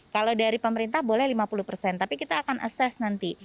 kalau dari pemerintah boleh lima puluh persen tapi kita akan assess nanti